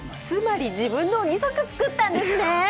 つまり自分のを２足作ったんですね。